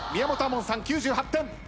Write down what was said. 門さん９８点。